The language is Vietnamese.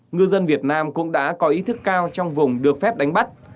ngư dân việt nam cũng đã có ý thức cao trong vùng được phép đánh bắt